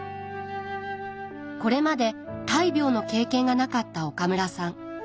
これまで大病の経験がなかった岡村さん。